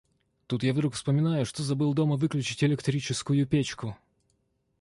Тут я вдруг вспоминаю, что забыл дома выключить электрическую печку.